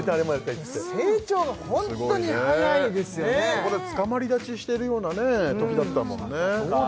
ここでつかまり立ちしてるようなときだったもんね